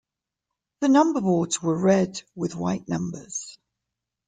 The numberboards were red with white numbers.